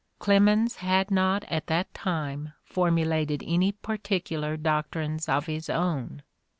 Clemens had not at that time formulated any particular doc trines of his own.